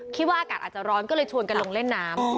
คิดว่าอากาศอาจจะร้อนก็เลยชวนกันลงเล่นน้ำ